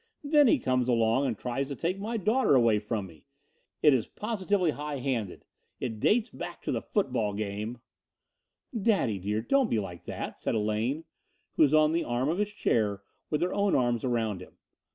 Then he comes along and tries to take my daughter away from me. It is positively high handed. It dates back to the football game " "Daddy, dear, don't be like that!" said Elaine, who was on the arm of his chair with her own arms around him.